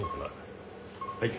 はい。